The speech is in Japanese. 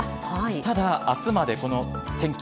ただ、明日までこの天気